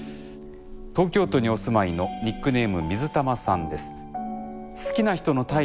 東京都にお住まいのニックネーム水玉さんです。